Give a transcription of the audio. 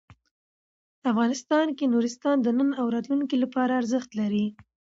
افغانستان کې نورستان د نن او راتلونکي لپاره ارزښت لري.